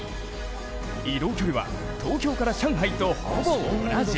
移動距離は東京から上海とほぼ同じ。